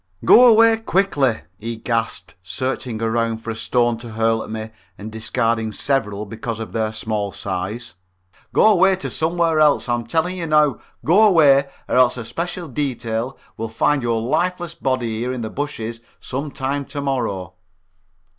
"Go away quickly," he gasped, searching around for a stone to hurl at me, and discarding several because of their small size. "Go away to somewhere else. I'm telling you now, go away or else a special detail will find your lifeless body here in the bushes some time to morrow."